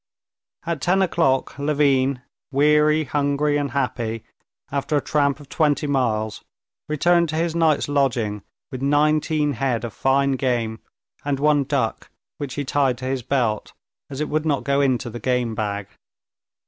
At ten o'clock Levin, weary, hungry, and happy after a tramp of twenty miles, returned to his night's lodging with nineteen head of fine game and one duck, which he tied to his belt, as it would not go into the game bag.